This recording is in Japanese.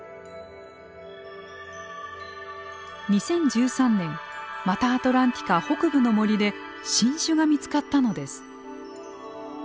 ２０１３年マタアトランティカ北部の森で新種が見つかったのです。